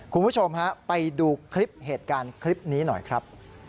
คุณผู้ชมฮะไปดูคลิปเหตุการณ์คลิปนี้หน่อยครับ